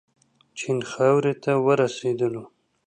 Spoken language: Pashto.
د چین خاورې ته ورسېدلو.